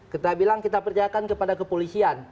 kita bilang kita percayakan kepada kepolisian